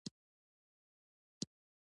چې په رښتیا وشوه.